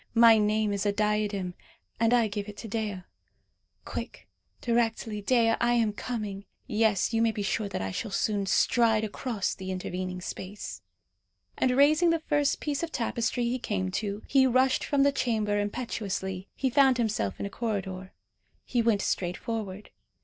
My name is a diadem, and I give it to Dea. Quick, directly, Dea, I am coming; yes, you may be sure that I shall soon stride across the intervening space!" And raising the first piece of tapestry he came to, he rushed from the chamber impetuously. He found himself in a corridor. He went straight forward.